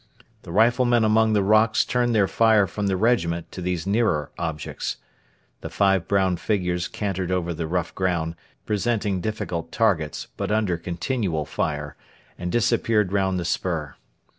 The riflemen among the rocks turned their fire from the regiment to these nearer objects. The five brown figures cantered over the rough ground, presenting difficult targets, but under continual fire, and disappeared round the spur.